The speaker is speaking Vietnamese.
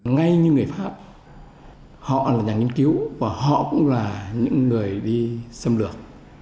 ngay như người pháp họ là nhà nghiên cứu và họ cũng là những người đi xâm lược